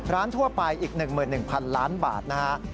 ร้านทั่วไปอีก๑๑๐๐๐ล้านบาทนะครับ